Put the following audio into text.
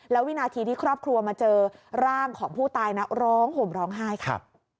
วินาทีที่ครอบครัวมาเจอร่างของผู้ตายนะร้องห่มร้องไห้ครับ